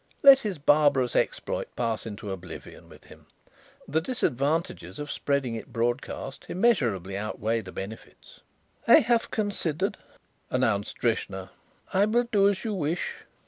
Let his barbarous exploit pass into oblivion with him. The disadvantages of spreading it broadcast immeasurably outweigh the benefits." "I have considered," announced Drishna. "I will do as you wish."